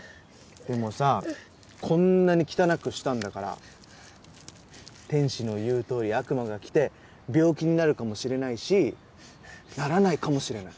でもさこんなに汚くしたんだから天使の言うとおり悪魔が来て病気になるかもしれないしならないかもしれない。